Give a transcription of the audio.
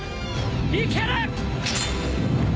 いける！